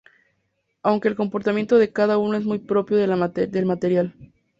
Aunque el comportamiento de cada uno es muy propio del material.